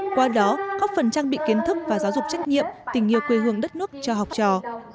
qua đó góp phần trang bị kiến thức và giáo dục trách nhiệm tình yêu quê hương đất nước cho học trò